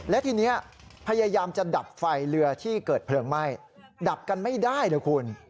และทีนี้พยายามจะดับไฟเรือที่เกิดเพลิงไหม้ดับกันไม่ได้เลยคุณ